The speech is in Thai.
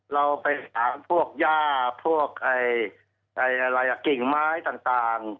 เราไปหาพวกย่าพวกกิ่งไม้ต่าง